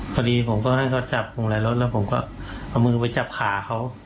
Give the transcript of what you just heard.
พอดีผมก็ให้เขาจับพวงอะไรรถแล้วผมก็เอามือไปจับขาเขา